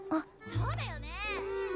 そうだよね。